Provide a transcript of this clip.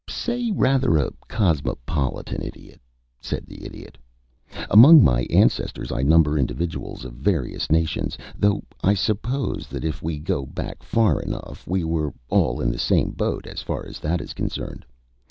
"Say rather a cosmopolitan Idiot," said the Idiot. "Among my ancestors I number individuals of various nations, though I suppose that if we go back far enough we were all in the same boat as far as that is concerned.